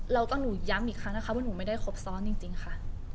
แล้วก็หนูย้ำอีกครั้งนะคะว่าหนูไม่ได้ครบซ้อนจริงค่ะ